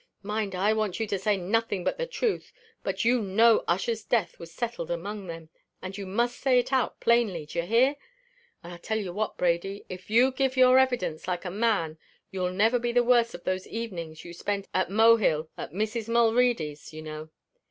Mind, I want you to say nothing but the truth. But you know Ussher's death was settled among them; and you must say it out plainly d'ye hear? And I tell you what, Brady, if you give your evidence like a man you'll never be the worse of those evenings you spent at Mohill at Mrs. Mulready's, you know.